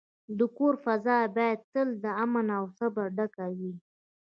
د کور فضا باید تل د امن او صبر ډکه وي.